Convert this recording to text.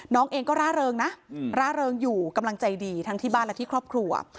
น้องเองก็ร่าเริงนะร่าเริงอยู่กำลังใจดีทั้งที่บ้านและที่ครอบครัว